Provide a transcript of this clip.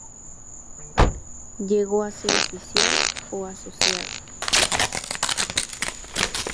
Llegó a ser oficial o asociado.